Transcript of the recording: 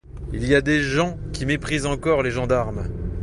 Il y a des gens qui méprisent encore les gendarmes.